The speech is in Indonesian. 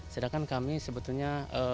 sedangkan kami sebetulnya